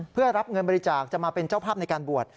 เพื่อรับเงินบริจาคจะมาเป็นเจ้าภาพในการบวช